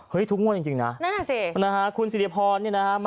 เฮ้ยถูกงวดจริงนะนั่นอ่ะสิคุณสิริพรเนี่ยนะฮะ